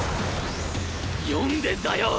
読んでんだよ！